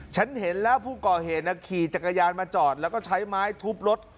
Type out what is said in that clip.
ฉันเห็นแล้วผู้ก่อเหตุขี่จักรยานมาจอดแล้วก็ใช้ไม้ทุบรถ